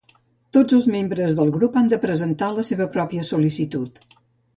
Tots els membres del grup han de presentar la seva pròpia sol·licitud.